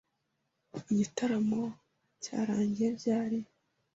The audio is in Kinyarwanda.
Igitaramo cyarangiye ryari?